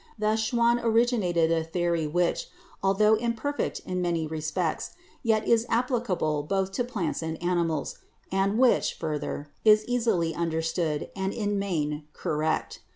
Thus Schwann originated a theory which, altho imper CELL LIFE 63 feet in many respects, yet is applicable both to plants and animals, and which, further, is easily understood, and in the main correct.